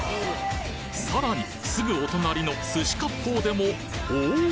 さらにすぐお隣の寿司割烹でもおお！